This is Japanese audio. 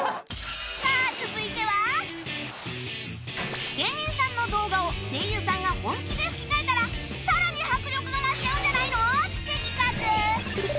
さあ続いては芸人さんの動画を声優さんが本気で吹き替えたらさらに迫力が増しちゃうんじゃないの？って企画